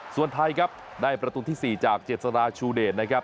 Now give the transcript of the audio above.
ส่วนไทยครับได้ประตูที่๔จากเจษฎาชูเดชนะครับ